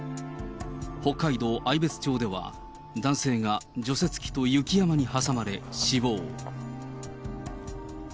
北海道愛別町では、男性が除雪機と雪山に挟まれ死亡。